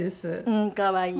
うん可愛い！